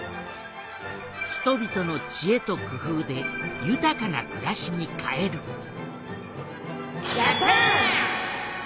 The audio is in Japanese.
人々の知恵と工夫で豊かなくらしに変えるジャパン！